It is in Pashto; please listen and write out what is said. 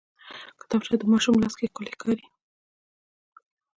کتابچه د ماشوم لاس کې ښکلي ښکاري